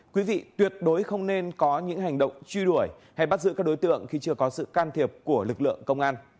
quý vị tuyệt đối không nên có những hành động truy đuổi hay bắt giữ các đối tượng khi chưa có sự can thiệp của lực lượng công an